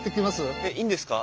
えっいいんですか？